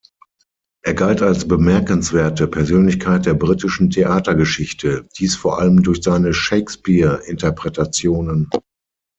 Er galt als bemerkenswerte Persönlichkeit der britischen Theatergeschichte; dies vor allem durch seine Shakespeare-Interpretationen.